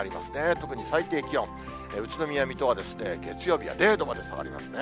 特に最低気温、宇都宮、水戸は月曜日は０度まで下がりますね。